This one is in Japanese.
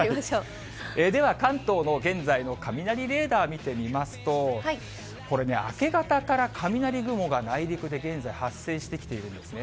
では関東の現在の雷レーダー見てみますと、これね、明け方から雷雲が内陸で現在、発生してきているんですね。